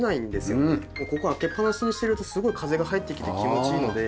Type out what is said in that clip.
ここ開けっぱなしにしてるとすごい風が入ってきて気持ちいいので。